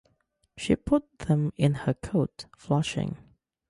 She put them in her coat, flushing.